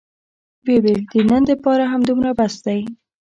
ويې ويل د نن دپاره همدومره بس دى.